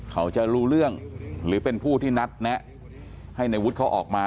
เขาจะรู้เรื่องหรือเป็นผู้ที่นัดแนะให้ในวุฒิเขาออกมา